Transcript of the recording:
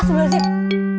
ah sebelah sini